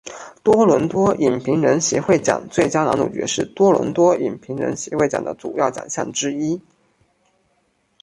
多伦多影评人协会奖最佳男主角是多伦多影评人协会奖的主要奖项之一。